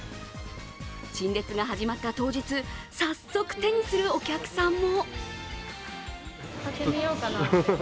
陳列が始まった当日早速手にするお客さんも。